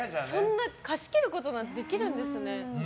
貸し切ることなんてできるんですよ。